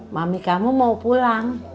mami kamu mau pulang